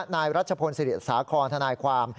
นายรัชพลศิริษฐศาคอนธนาความ